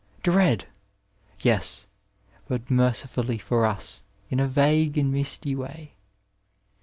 Dread ! Yes, but mercifully for us in a vague and misty way.